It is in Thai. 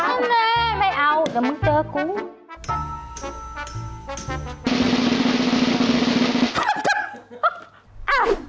อ้าวไม่เอาจะมันเจอกู